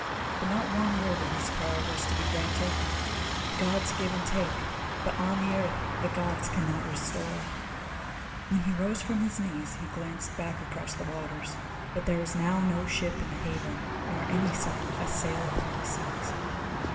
But not one word of his prayer was to be granted. The Gods give and take, but on the earth the Gods cannot restore. When he rose from his knees he glanced back across the waters, but there was now no ship in the haven, nor any sign of a sail upon the seas.